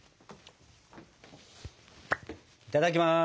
いただきます。